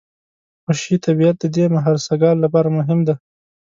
خوشي طبیعت د دې مهرسګال لپاره مهم دی.